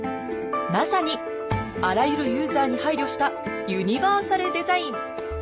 まさにあらゆるユーザーに配慮したユニバーサルデザイン！